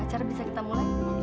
acara bisa kita mulai